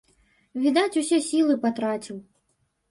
Відаць, усе сілы патраціў.